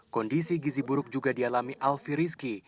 kondisi gizi buruk juga dialami alfie rizki